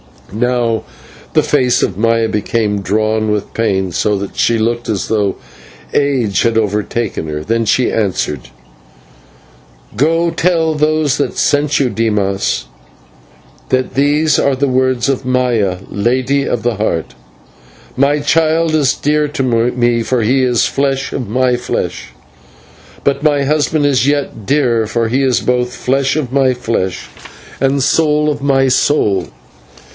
Now the face of Maya became drawn with pain, so that she looked as though age had overtaken her. Then she answered: "Go, tell those that sent you, Dimas, that these are the words of Maya, Lady of the Heart: My child is dear to me, for he is flesh of my flesh; but my husband is yet dearer, for he is both flesh of my flesh and soul of my soul.